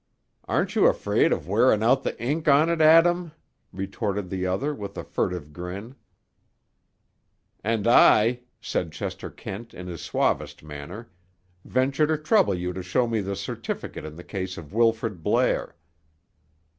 "Aren't you afraid of wearin' out the ink on it, Adam?" retorted the other with a furtive grin. "And I," said Chester Kent in his suavest manner, "venture to trouble you to show me the certificate in the case of Wilfrid Blair."